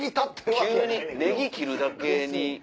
急にネギ切るだけに。